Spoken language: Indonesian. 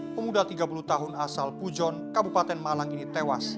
pemuda tiga puluh tahun asal pujon kabupaten malang ini tewas